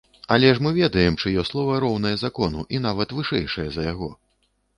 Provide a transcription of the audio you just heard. Але ж мы ведаем, чыё слова роўнае закону і нават вышэйшае за яго.